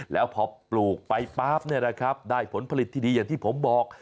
แล้วพอปลูกไปป๊าบได้ผลผลิตที่ดีอย่างที่ผมบอก